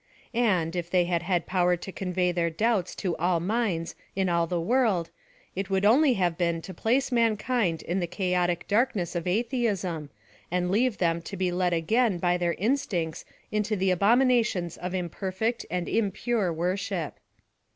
And, if they had had power to convey their doubts to all minds in all the world, it would only have been to place mankind in the chaoi:c darkness of atheism, and leave them to be led again by their instincts into the abomina tions of imperfect and impure worship.